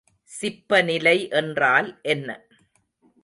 சிப்பநிலை என்றால் என்ன?